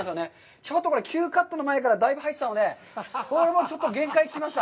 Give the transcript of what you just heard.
ちょっとこれＱカットの前からだいぶ入っていたので、ちょっと限界が来ました。